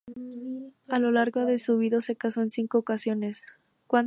A lo largo de su vida se casó en cinco ocasiones.